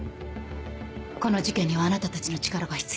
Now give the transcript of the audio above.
この事件にはあなたたちの力が必要。